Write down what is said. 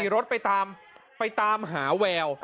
รถไปตามไปตามหาแวว